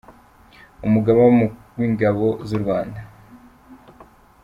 Umugaba w’ingabo zu rwanda.